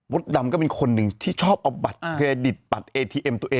มดดำก็เป็นคนหนึ่งที่ชอบเอาบัตรเครดิต